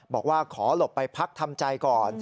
บอกว่าขอหลบไปพักทำใจก่อน